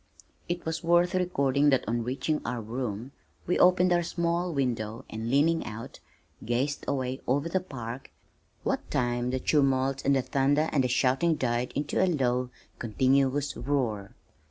It is worth recording that on reaching our room, we opened our small window and leaning out, gazed away over the park, what time the tumult and the thunder and the shouting died into a low, continuous roar.